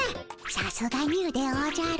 さすがニュでおじゃる。